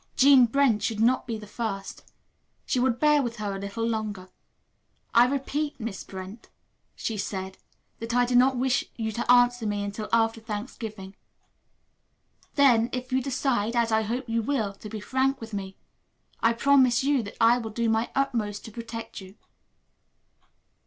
Jean Brent should not be the first. She would bear with her a little longer. "I repeat, Miss Brent," she said, "that I do not wish you to answer me until after Thanksgiving. Then, if you decide, as I hope you will, to be frank with me, I promise you that I will do my utmost to protect you."